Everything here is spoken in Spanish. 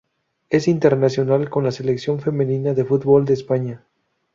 Es internacional con la Selección femenina de fútbol de España.